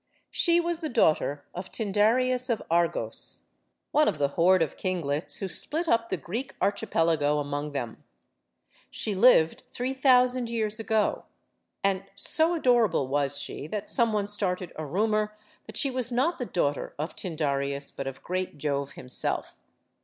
She was the daughter of Tyndareus of Argos, one of the horde of kinglets who split up the Greek arch ipelago among them. She lived three thousand years ago. And so adorable was she that some one started a rumor that she was not the daughter of Tyndareus, but of great Jove himself.